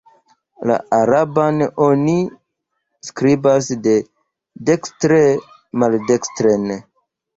La araban oni skribas de dekstre maldekstren.